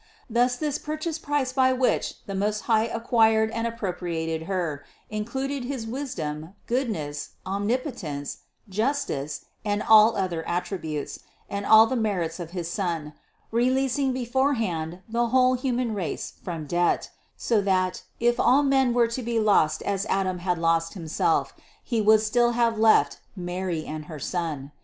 Thus this pur chase price by which the Most High acquired and appropriated Her, included his wisdom, goodness, omnip otence, justice and all other attributes, and all the merits of his Son, releasing beforehand the whole human race from debt; so that, if all men were to be lost as Adam had lost himself, He would still have left Mary and her Son.